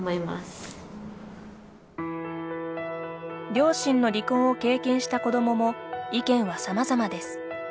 両親の離婚を経験した子どもも意見はさまざまです。